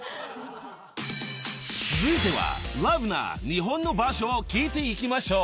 ［続いてはＬＯＶＥな日本の場所を聞いていきましょう］